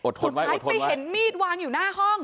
อดทนไว้อดทนไว้สุดท้ายไปเห็นมีดวางอยู่หน้าห้อง